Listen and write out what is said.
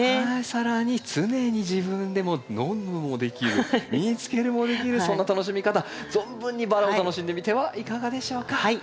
更に常に自分でも飲むのもできる身に着けるもできるそんな楽しみ方存分にバラを楽しんでみてはいかがでしょうか。